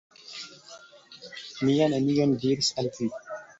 Mi ja nenion diris al vi!